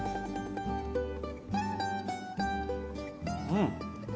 うん。